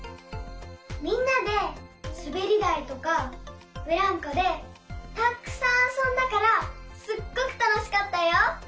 みんなですべりだいとかブランコでたっくさんあそんだからすっごくたのしかったよ。